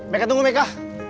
meka tunggu meka